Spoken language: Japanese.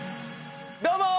どうも！